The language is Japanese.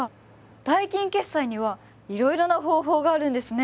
代金決済にはいろいろな方法があるんですね。